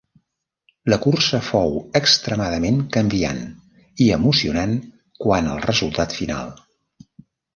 La cursa fou extremadament canviant i emocionant quant al resultat final.